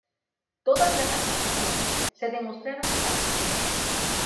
Todas las acusaciones se demostraron falsas.